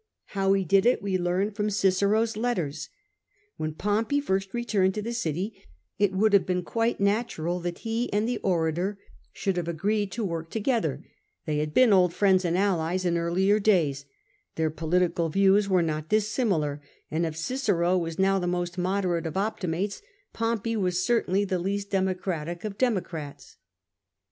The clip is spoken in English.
How he did it we learn from Cicero's letters. When Pompey first returned to the city, it would have been quite natural that the orator and he should have agreed to work to gether; they had been old friends and allies in earlier days, their political views were not dissimilar, and if Cicero was now the most moderate of Optimates, Pompey was certainly the least democratic of Democrats.